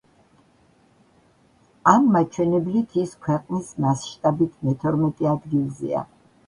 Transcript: ამ მაჩვენებლით ის ქვეყნის მასშტაბით მეთორმეტე ადგილზეა.